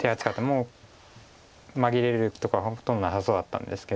もう紛れるところはほとんどなさそうだったんですけども。